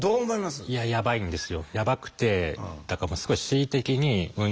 いややばいんですよ。